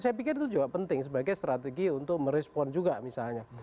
saya pikir itu juga penting sebagai strategi untuk merespon juga misalnya